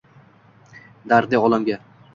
Dardli olamga